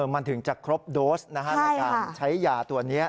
มันถึงจะครบโดสในการใช้ยาตัวนี้